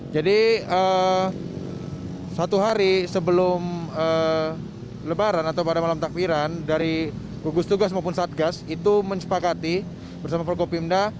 jadi satu hari sebelum lebaran atau pada malam takbiran dari kugus tugas maupun satgas itu menyepakati bersama pergopimda